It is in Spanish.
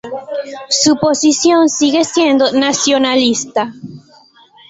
Su posición sigue siendo nacionalista.